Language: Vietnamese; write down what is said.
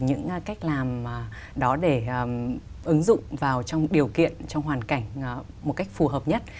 những cách làm đó để ứng dụng vào trong điều kiện trong hoàn cảnh một cách phù hợp nhất